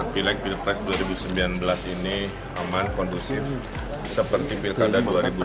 pilek pilpres dua ribu sembilan belas ini aman kondusif seperti pilkada dua ribu delapan belas